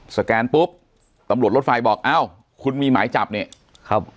แกนปุ๊บตำรวจรถไฟบอกอ้าวคุณมีหมายจับเนี่ยครับ